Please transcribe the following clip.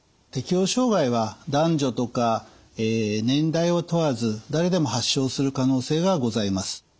適応障害は男女とか年代を問わず誰でも発症する可能性がございます。